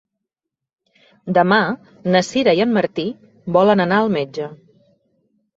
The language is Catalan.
Demà na Sira i en Martí volen anar al metge.